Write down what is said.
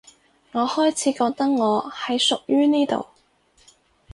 我開始覺得我係屬於呢度